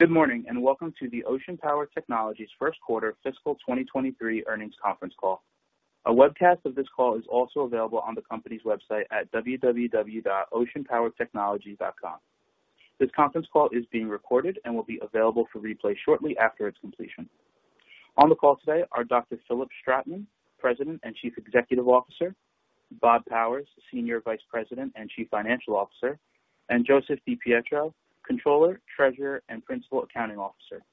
Good morning, and welcome to the Ocean Power Technologies first quarter fiscal 2023 earnings conference call. A webcast of this call is also available on the company's website at www.oceanpowertechnologies.com. This conference call is being recorded and will be available for replay shortly after its completion. On the call today are Dr. Philipp Stratmann, President and Chief Executive Officer, Bob Powers, Senior Vice President and Chief Financial Officer, and Joseph DiPietro, Controller, Treasurer, and Principal Accounting Officer.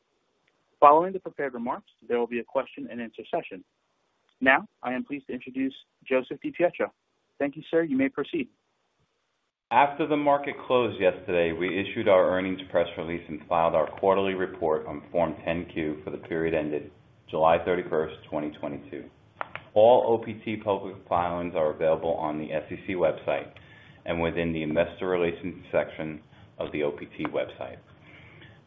Following the prepared remarks, there will be a question and answer session. Now, I am pleased to introduce Joseph DiPietro. Thank you, sir. You may proceed. After the market closed yesterday, we issued our earnings press release and filed our quarterly report on Form 10-Q for the period ended July 31st, 2022. All OPT public filings are available on the SEC website and within the investor relations section of the OPT website.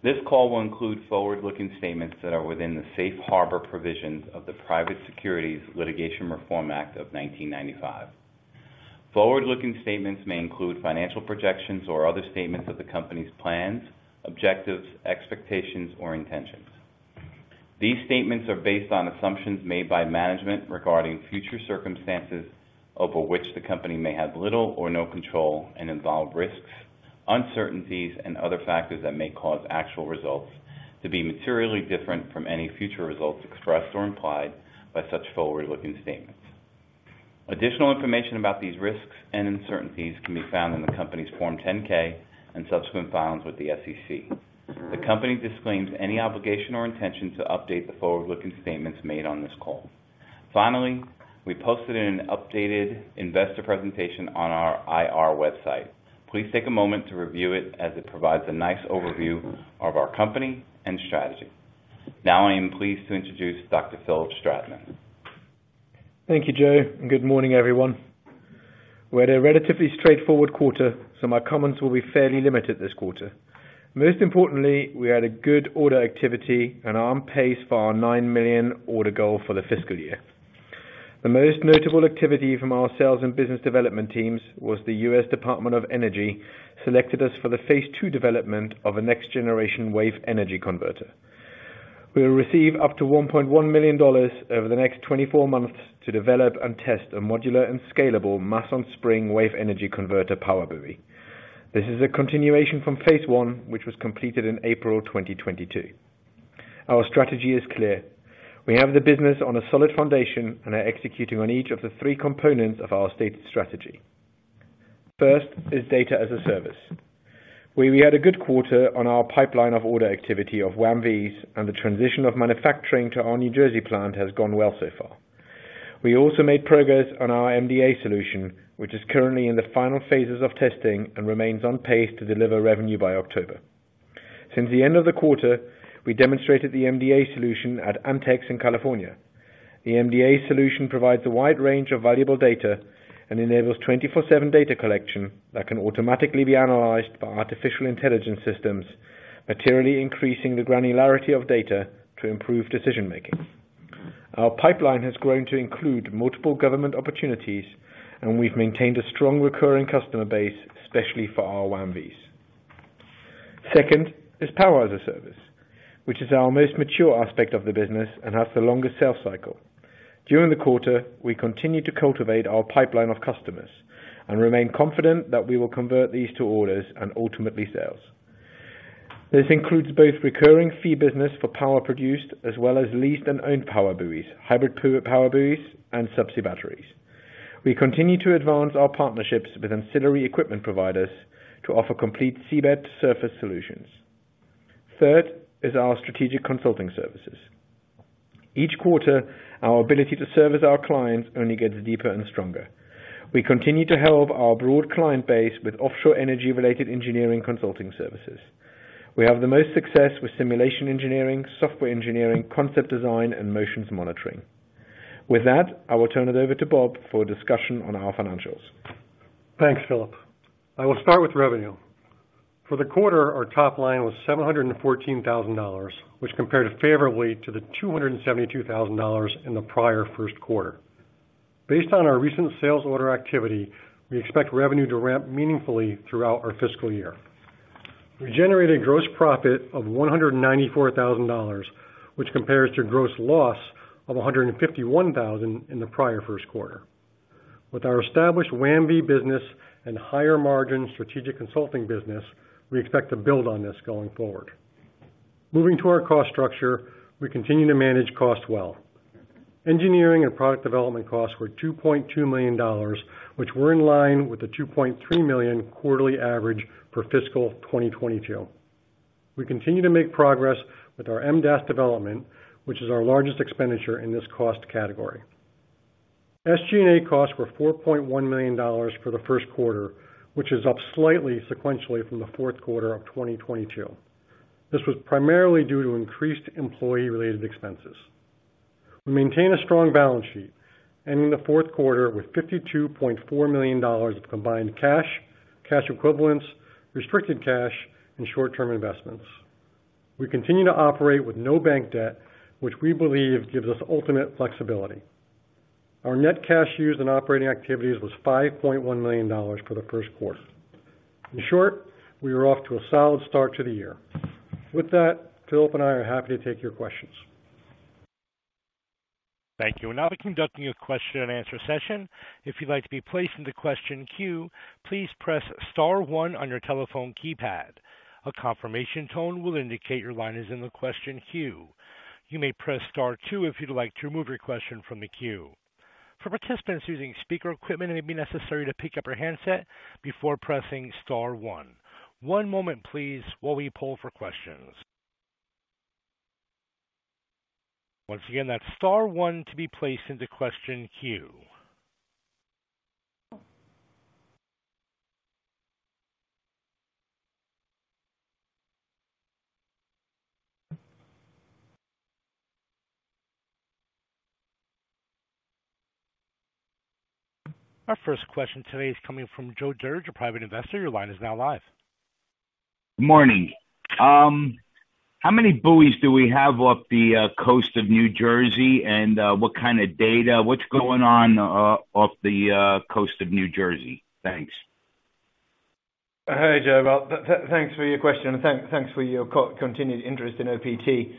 This call will include forward-looking statements that are within the Safe Harbor provisions of the Private Securities Litigation Reform Act of 1995. Forward-looking statements may include financial projections or other statements of the company's plans, objectives, expectations, or intentions. These statements are based on assumptions made by management regarding future circumstances over which the company may have little or no control and involve risks, uncertainties, and other factors that may cause actual results to be materially different from any future results expressed or implied by such forward-looking statements. Additional information about these risks and uncertainties can be found in the company's Form 10-K and subsequent filings with the SEC. The company disclaims any obligation or intention to update the forward-looking statements made on this call. Finally, we posted an updated investor presentation on our IR website. Please take a moment to review it as it provides a nice overview of our company and strategy. Now I am pleased to introduce Dr. Philipp Stratmann. Thank you, Joe, and good morning, everyone. We had a relatively straightforward quarter, so my comments will be fairly limited this quarter. Most importantly, we had a good order activity and are on pace for our $9 million order goal for the fiscal year. The most notable activity from our sales and business development teams was the US Department of Energy selected us for the phase two development of a next generation wave energy converter. We will receive up to $1.1 million over the next 24 months to develop and test a modular and scalable Mass-on-Spring Wave Energy Converter PowerBuoy. This is a continuation from phase one, which was completed in April 2022. Our strategy is clear. We have the business on a solid foundation and are executing on each of the three components of our stated strategy. First is Data-as-a-Service, where we had a good quarter on our pipeline of order activity of WAM-Vs, and the transition of manufacturing to our New Jersey plant has gone well so far. We also made progress on our MDA solution, which is currently in the final phases of testing and remains on pace to deliver revenue by October. Since the end of the quarter, we demonstrated the MDA solution at ANTX in California. The MDA solution provides a wide range of valuable data and enables 24/7 data collection that can automatically be analyzed by artificial intelligence systems, materially increasing the granularity of data to improve decision-making. Our pipeline has grown to include multiple government opportunities, and we've maintained a strong recurring customer base, especially for our WAM-Vs. Second is Power-as-a-Service, which is our most mature aspect of the business and has the longest sales cycle. During the quarter, we continued to cultivate our pipeline of customers and remain confident that we will convert these to orders and ultimately sales. This includes both recurring fee business for power produced as well as leased and owned PowerBuoys, hybrid PowerBuoys, and subsea batteries. We continue to advance our partnerships with ancillary equipment providers to offer complete seabed and surface solutions. Third is our strategic consulting services. Each quarter, our ability to service our clients only gets deeper and stronger. We continue to help our broad client base with offshore energy-related engineering consulting services. We have the most success with simulation engineering, software engineering, concept design, and motions monitoring. With that, I will turn it over to Bob for a discussion on our financials. Thanks, Philip. I will start with revenue. For the quarter, our top line was $714 thousand, which compared favorably to the $272 thousand in the prior first quarter. Based on our recent sales order activity, we expect revenue to ramp meaningfully throughout our fiscal year. We generated gross profit of $194 thousand, which compares to gross loss of $151 thousand in the prior first quarter. With our established WAM-V business and higher margin strategic consulting business, we expect to build on this going forward. Moving to our cost structure, we continue to manage costs well. Engineering and product development costs were $2.2 million, which were in line with the $2.3 million quarterly average for fiscal 2022. We continue to make progress with our MDAS development, which is our largest expenditure in this cost category. SG&A costs were $4.1 million for the first quarter, which is up slightly sequentially from the fourth quarter of 2022. This was primarily due to increased employee-related expenses. We maintain a strong balance sheet, ending the fourth quarter with $52.4 million of combined cash equivalents, restricted cash, and short-term investments. We continue to operate with no bank debt, which we believe gives us ultimate flexibility. Our net cash used in operating activities was $5.1 million for the first quarter. In short, we are off to a solid start to the year. With that, Philipp and I are happy to take your questions. Thank you. We're now conducting a question and answer session. If you'd like to be placed into question queue, please press star one on your telephone keypad. A confirmation tone will indicate your line is in the question queue. You may press star two if you'd like to remove your question from the queue. For participants using speaker equipment, it may be necessary to pick up your handset before pressing star one. One moment please, while we poll for questions. Once again, that's star one to be placed into question queue. Our first question today is coming from Joe Dirge, a private investor. Your line is now live. Morning. How many buoys do we have off the coast of New Jersey, and what kind of data, what's going on off the coast of New Jersey? Thanks. Hey, Joe. Well, thanks for your question and thanks for your continued interest in OPT.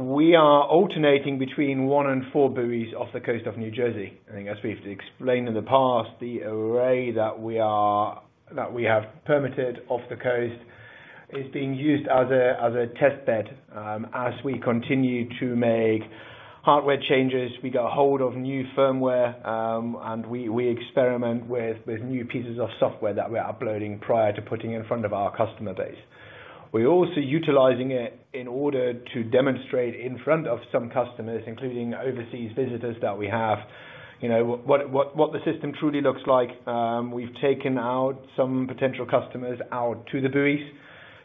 We are alternating between one and four buoys off the coast of New Jersey. I think as we've explained in the past, the array that we have permitted off the coast is being used as a test bed, as we continue to make hardware changes, we get a hold of new firmware, and we experiment with new pieces of software that we're uploading prior to putting in front of our customer base. We're also utilizing it in order to demonstrate in front of some customers, including overseas visitors that we have, you know, what the system truly looks like. We've taken some potential customers out to the buoys,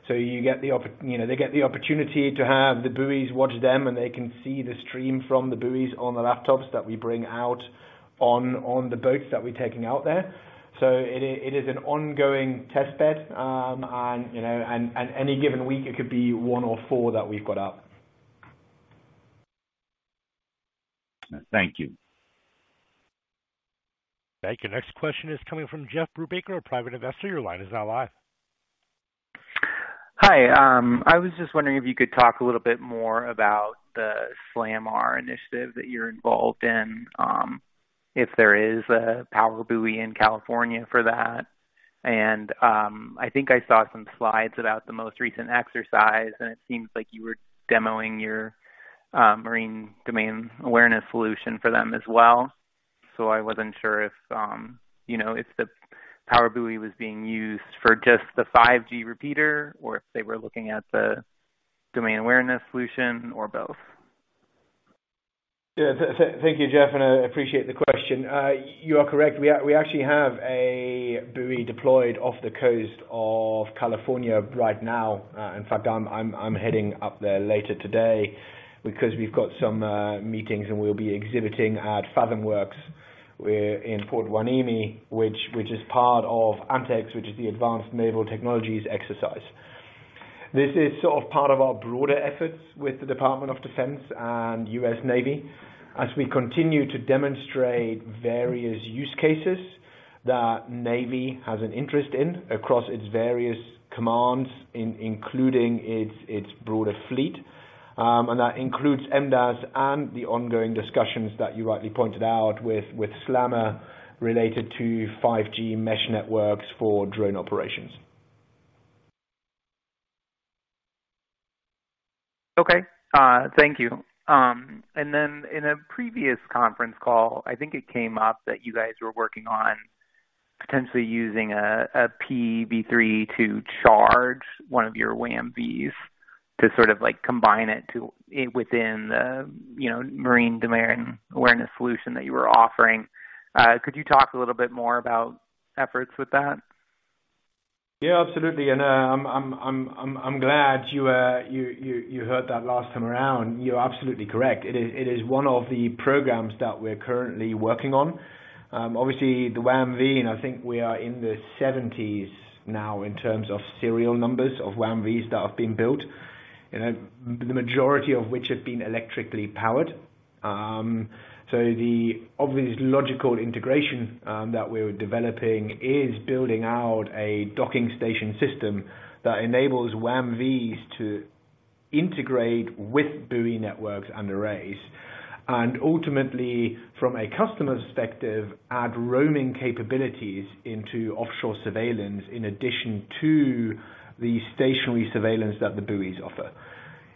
so you get the oppor... You know, they get the opportunity to have the buoys watch them, and they can see the stream from the buoys on the laptops that we bring out on the boats that we're taking out there. It is an ongoing test bed. You know, any given week it could be 1 or 4 that we've got up. Thank you. Thank you. Next question is coming from Jeff Brubaker, a private investor. Your line is now live. Hi. I was just wondering if you could talk a little bit more about the SLAMR initiative that you're involved in, if there is a PowerBuoy in California for that. I think I saw some slides about the most recent exercise, and it seems like you were demoing your maritime domain awareness solution for them as well. I wasn't sure if, you know, if the PowerBuoy was being used for just the 5G repeater or if they were looking at the domain awareness solution or both. Yeah. Thank you, Jeff, and I appreciate the question. You are correct. We actually have a buoy deployed off the coast of California right now. In fact, I'm heading up there later today because we've got some meetings and we'll be exhibiting at FATHOMWERX. We're in Port Hueneme, which is part of ANTX, which is the Advanced Naval Technology Exercise. This is sort of part of our broader efforts with the Department of Defense and US Navy as we continue to demonstrate various use cases that Navy has an interest in across its various commands, including its broader fleet. That includes MDAS and the ongoing discussions that you rightly pointed out with SLAMR related to 5G mesh networks for drone operations. In a previous conference call, I think it came up that you guys were working on potentially using a PB3 to charge one of your WAM-Vs to sort of like combine it within the maritime domain awareness solution that you were offering. Could you talk a little bit more about efforts with that? Yeah, absolutely. I'm glad you heard that last time around. You're absolutely correct. It is one of the programs that we're currently working on. Obviously the WAM-V, and I think we are in the 70s now in terms of serial numbers of WAM-Vs that have been built. You know, the majority of which have been electrically powered. The obvious logical integration that we're developing is building out a docking station system that enables WAM-Vs to integrate with buoy networks and arrays, and ultimately, from a customer's perspective, add roaming capabilities into offshore surveillance in addition to the stationary surveillance that the buoys offer.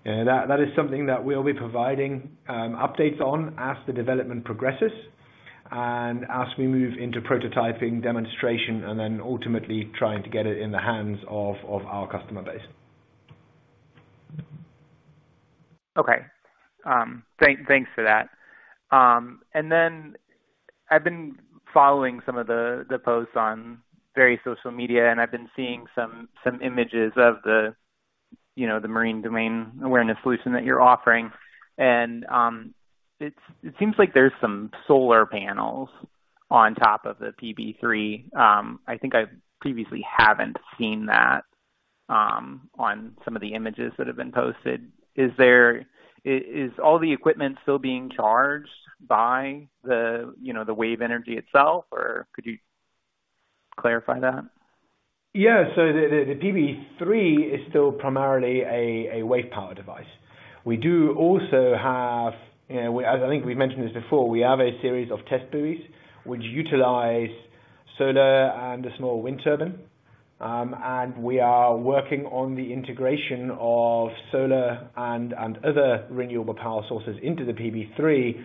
You know, that is something that we'll be providing updates on as the development progresses and as we move into prototyping demonstration and then ultimately trying to get it in the hands of our customer base. Okay. Thanks for that. I've been following some of the posts on various social media, and I've been seeing some images of the, you know, the maritime domain awareness solution that you're offering. It seems like there's some solar panels on top of the PB3. I think I previously haven't seen that. On some of the images that have been posted, is all the equipment still being charged by the, you know, the wave energy itself, or could you clarify that? The PB3 is still primarily a wave power device. We do also have, you know, I think we've mentioned this before, we have a series of test buoys which utilize solar and a small wind turbine. We are working on the integration of solar and other renewable power sources into the PB3,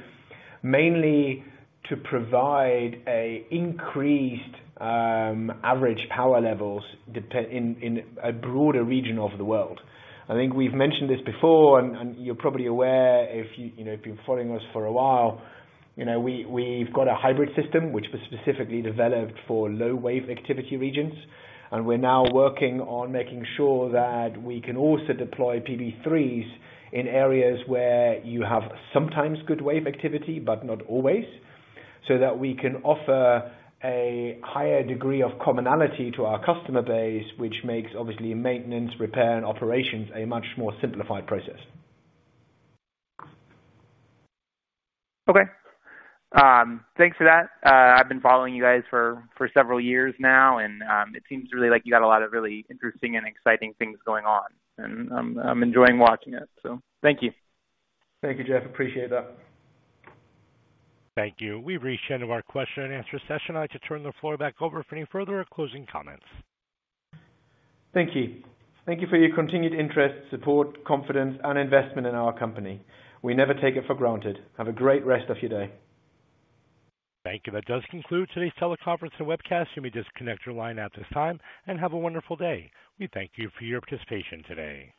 mainly to provide an increased average power levels in a broader region of the world. I think we've mentioned this before, and you're probably aware if you know, if you've been following us for a while, you know, we've got a hybrid system which was specifically developed for low wave activity regions, and we're now working on making sure that we can also deploy PB3s in areas where you have sometimes good wave activity, but not always, so that we can offer a higher degree of commonality to our customer base, which makes obviously maintenance, repair and operations a much more simplified process. Okay. Thanks for that. I've been following you guys for several years now, and it seems really like you got a lot of really interesting and exciting things going on, and I'm enjoying watching it, so thank you. Thank you, Jeff. Appreciate that. Thank you. We've reached the end of our question and answer session. I'd like to turn the floor back over for any further closing comments. Thank you. Thank you for your continued interest, support, confidence, and investment in our company. We never take it for granted. Have a great rest of your day. Thank you. That does conclude today's teleconference and webcast. You may disconnect your line at this time and have a wonderful day. We thank you for your participation today.